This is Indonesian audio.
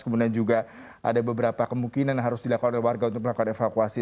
kemudian juga ada beberapa kemungkinan harus dilakukan oleh warga untuk melakukan evakuasi